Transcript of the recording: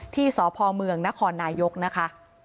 ที่สพเมืองนครนายกนะคะ